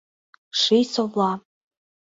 — Ший совла.